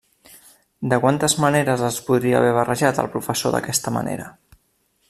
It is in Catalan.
De quantes maneres els podria haver barrejat el professor d'aquesta manera?